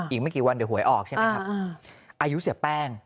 อีกไม่กี่วันเดี๋ยวหวยออกใช่ไหมครับอายุเสียแป้ง